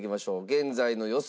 現在の予想